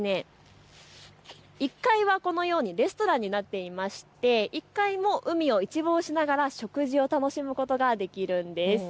１階はこのようにレストランになっていて１階も海を一望しながら食事を楽しむことができるんです。